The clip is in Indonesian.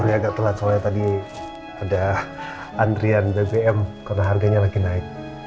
ini agak telat soalnya tadi ada antrian bbm karena harganya lagi naik